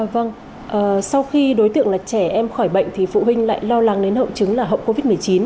vâng sau khi đối tượng là trẻ em khỏi bệnh thì phụ huynh lại lo lắng đến hậu chứng là hậu covid một mươi chín